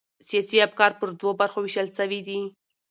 سیاسي افکار پر دوو برخو وېشل سوي دي.